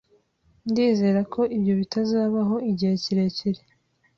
Ndizera ko ibyo bitazabaho igihe kirekire.